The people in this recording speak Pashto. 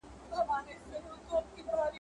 هره ښځه چي حجاب نه لري بې مالګي طعام ده `